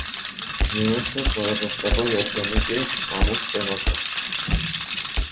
Երրորդը, բարեբախտաբար, երջանիկ էր, ամուր, տևական։